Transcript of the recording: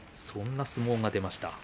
そんな相撲が出ました。